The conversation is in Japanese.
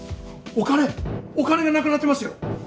お金がなくなってますよ